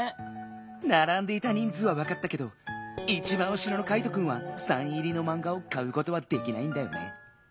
ならんでいたにんずうはわかったけどいちばんうしろのカイトくんはサイン入りのマンガをかうことはできないんだよね。